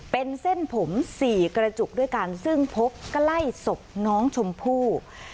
เป็นเส้นผม๔กระจุกด้วยกันซึ่งพบใกล้ศพน้องชมพู่